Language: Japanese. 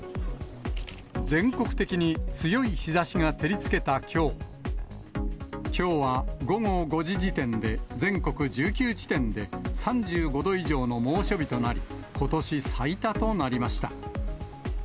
全国的に強い日ざしが照りつけたきょう、きょうは午後５時時点で、全国１９地点で、３５度以上の猛暑日となり、ことし最多となりました。